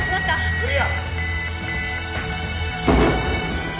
クリア！